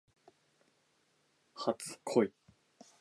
初恋